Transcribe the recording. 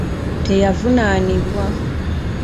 Teyavunaanibwa.